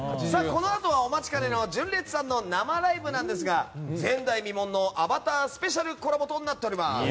このあとはお待ちかねの純烈さんの生ライブなんですが前代未聞のアバタースペシャルコラボとなっております。